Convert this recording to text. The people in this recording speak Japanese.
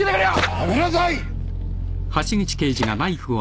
・やめなさい！